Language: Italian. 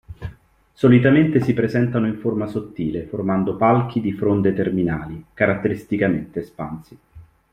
Solitamente si presentano in forma sottile formando palchi di fronde terminali caratteristicamente espansi.